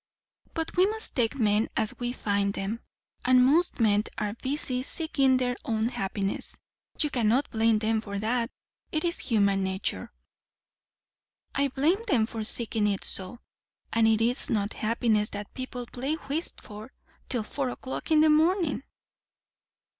"But we must take men as we find them; and most men are busy seeking their own happiness. You cannot blame them for that. It is human nature." "I blame them for seeking it so. And it is not happiness that people play whist for, till four o'clock in the morning."